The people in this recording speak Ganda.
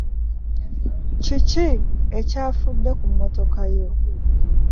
Kiki ekyafudde ku mmotoka yo?